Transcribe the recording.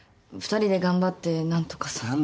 ２人で頑張って何とかさ。